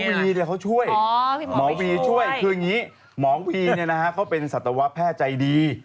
วีเนี่ยเขาช่วยหมอวีช่วยคืออย่างนี้หมอวีเขาเป็นสัตวแพทย์ใจดี